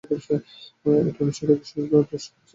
এটি উনিশ শতকের শেষ দশক পর্যন্ত অস্তিত্বশীল ছিল।